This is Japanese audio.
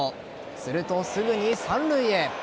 すると、すぐに三塁へ。